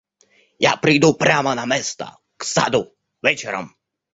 Я приду прямо на место, к саду, вечером».